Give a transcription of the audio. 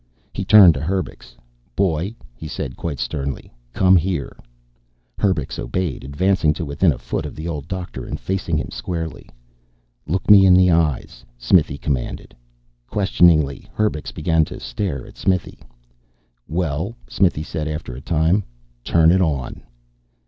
He turned to Herbux. "Boy," he said, quite sternly. "Come here." Herbux obeyed, advancing to within a foot of the old doctor and facing him squarely. "Look me in the eyes," Smithy commanded. Questioningly, Herbux began to stare at Smithy. "Well," Smithy said, after a time, "turn it on."